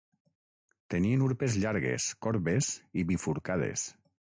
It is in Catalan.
Tenien urpes llargues, corbes i bifurcades.